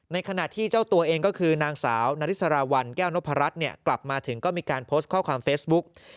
ขณะที่เจ้าตัวเองก็คือนางสาวนาริสราวัลแก้วนพรัชกลับมาถึงก็มีการโพสต์ข้อความเฟซบุ๊ก